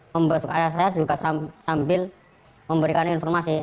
membawa suka ayah saya juga sambil memberikan informasi